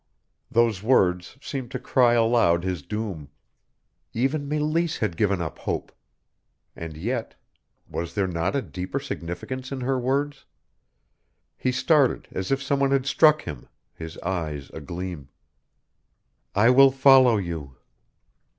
Those words seemed to cry aloud his doom. Even Meleese had given up hope. And yet, was there not a deeper significance in her words? He started as if some one had struck him, his eyes agleam. "_'I will follow you.